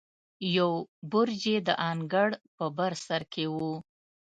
یو برج یې د انګړ په بر سر کې و.